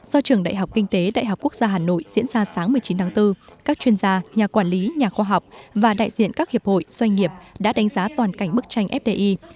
do trường đại học kinh tế đại học quốc gia hà nội diễn ra sáng một mươi chín tháng bốn các chuyên gia nhà quản lý nhà khoa học và đại diện các hiệp hội doanh nghiệp đã đánh giá toàn cảnh bức tranh fdi